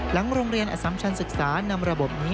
หลังโรงเรียนอสัมชันศึกษานำระบบนี้